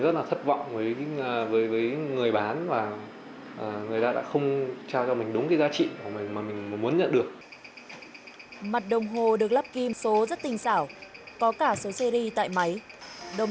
dù là hàng fake nhưng người bán hàng này cũng cam kết có đầy đủ thẻ bảo hành